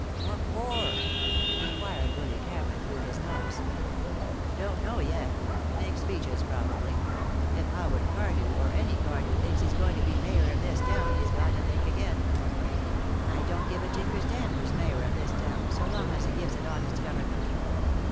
"Whaffor?" inquired Willy Cameron, through his nose. "Don't know yet. Make speeches, probably. If Howard Cardew, or any Cardew, thinks he's going to be mayor of this town, he's got to think again." "I don't give a tinker's dam who's mayor of this town, so long as he gives it honest government."